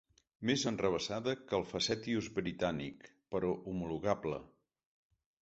Més enrevessada que el "facetious" britànic, però homologable.